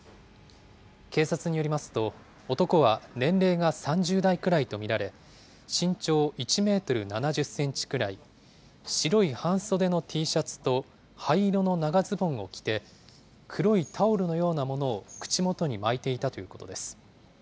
警察によりますと、男は年齢が３０代くらいと見られ、身長１メートル７０センチくらい、白い半袖のＴシャツと灰色の長ズボンを着て、黒いタオルのようなものを口元に巻いていたということです。